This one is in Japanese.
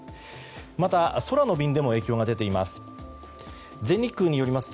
また、空の便でも影響が出ています。